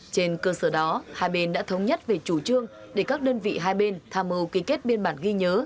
trên cơ sở đó hai bên đã thống nhất về chủ trương để các đơn vị hai bên tham mưu ký kết biên bản ghi nhớ